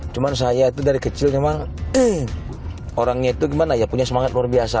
cuma saya itu dari kecil memang orangnya itu gimana ya punya semangat luar biasa